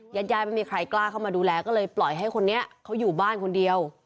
ญาติญาติไม่มีใครกล้าเข้ามาดูแลก็เลยปล่อยให้คนนี้เขาอยู่บ้านคนเดียว